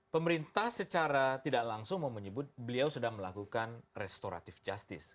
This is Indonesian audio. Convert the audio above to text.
pemerintah secara tidak langsung mau menyebut beliau sudah melakukan restoratif justice